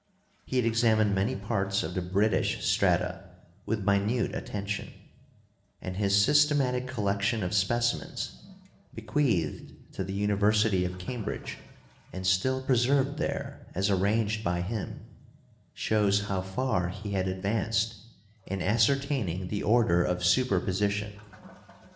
He had examined many parts of the British strata with minute attention; and his systematic collection of specimens, be queathed to the University of Cambridge and still pre served there as arranged by him, shows how far he had advanced in ascertaining the order of superposition.